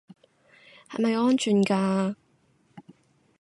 係咪安全㗎